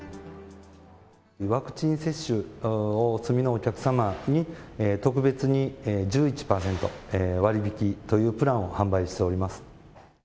ワクチン接種をお済みのお客様に、特別に１１％割引というプランを販売しております。